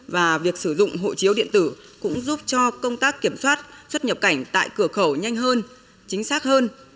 và việc sử dụng hộ chiếu điện tử cũng giúp cho công tác kiểm soát xuất nhập cảnh tại cửa khẩu nhanh hơn chính xác hơn